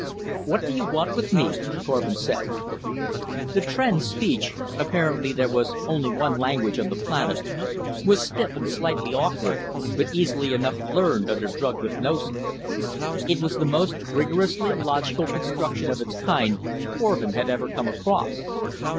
"What do you want with me?" Korvin said. The Tr'en speech apparently there was only one language on the planet was stiff and slightly awkward, but easily enough learned under drug hypnosis; it was the most rigorously logical construction of its kind Korvin had ever come across.